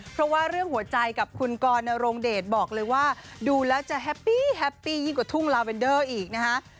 เพราะว่าเรื่องหัวใจกับคุณกรนโรงเดชบอกเลยว่าดูแล้วจะแฮปปี้แฮปปี้ยิ่งกว่าทุ่งลาเวนเดอร์อีกนะคะ